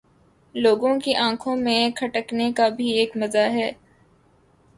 لوگوں کی آنکھوں میں کھٹکنے کا بھی ایک مزہ ہے